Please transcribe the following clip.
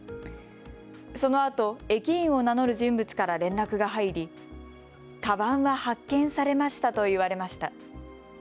そのあと駅員を名乗る人物から連絡が入り、かばんは発見されましたと言われました。